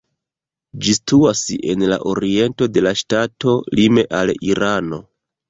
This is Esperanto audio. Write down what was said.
Ĝi situas en la oriento de la ŝtato, lime al Irano.